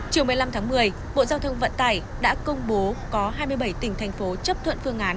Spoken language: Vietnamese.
chiều một mươi năm tháng một mươi bộ giao thông vận tải đã công bố có hai mươi bảy tỉnh thành phố chấp thuận phương án